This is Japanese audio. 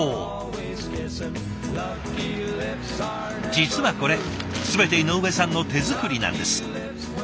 実はこれ全て井上さんの手作りなんです。